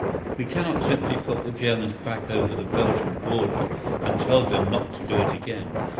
We cannot simply put the Germans back over the Belgian border and tell them not to do it again.